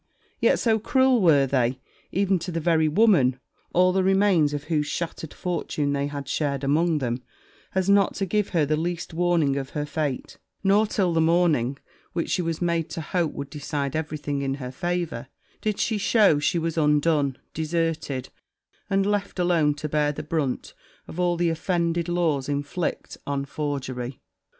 Yet so cruel were they, even to the very woman, all the remains of whose shattered fortune they had shared among them, as not to give her the least warning of her fate; nor, till the morning which she was made to hope would decide every thing in her favour, did she know she was undone, deserted, and left alone to bear the brunt of all the offended laws inflict on forgery.